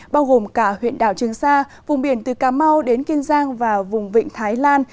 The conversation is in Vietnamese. bao gồm cả huyện đảo trường sa vùng biển từ cà mau đến kiên giang và vùng vịnh thái lan